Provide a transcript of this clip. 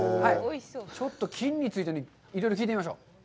ちょっと金について、いろいろ聞いてみましょう。